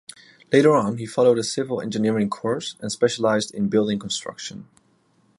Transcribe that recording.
Later on he followed a civil engineering course and specialized in building construction.